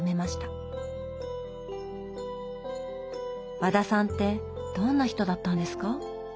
和田さんってどんな人だったんですか？